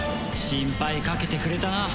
心配かけてくれたな。